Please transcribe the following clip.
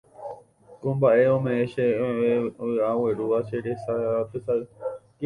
Ko mbaʼe omeʼẽ chéve vyʼa oguerúva che resáre tesay.